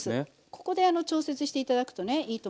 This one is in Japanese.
ここで調節して頂くとねいいと思います。